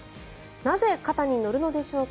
なぜ肩に乗るのでしょうか。